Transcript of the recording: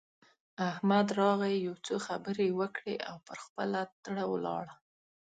احمد راغی؛ يو څو خبرې يې وکړې او پر خپله تړه ولاړ.